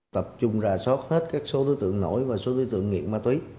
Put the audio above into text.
tập trung rà soát hết các số đối tượng nổi và số đối tượng nghiện ma túy